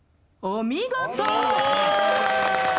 お見事！